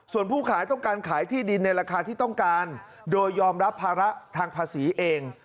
ส่วนผู้ขายต้องการขายที่ดินในราคาที่ต้องการโดยยอมรับภาระทางภาษีเอง